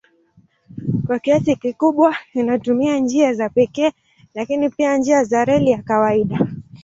Kwa kiasi kikubwa inatumia njia za pekee lakini pia njia za reli ya kawaida.